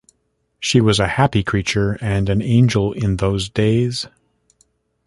She was a happy creature, and an angel, in those days.